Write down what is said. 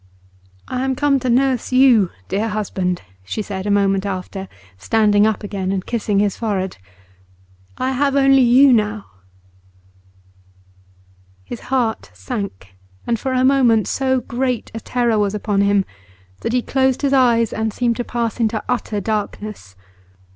'I am come to nurse you, dear husband,' she said a moment after, standing up again and kissing his forehead. 'I have only you now.' His heart sank, and for a moment so great a terror was upon him that he closed his eyes and seemed to pass into utter darkness.